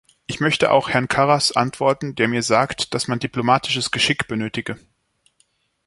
Ich möchte auch Herrn Karas antworten, der mir sagt, dass man diplomatisches Geschick benötige.